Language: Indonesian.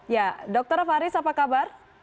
ya dokter faris apa kabar